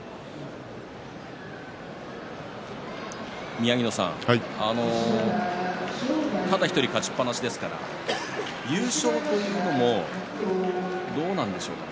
宮城野さんただ１人、勝ちっぱなしですから優勝というのもどうなんですかね？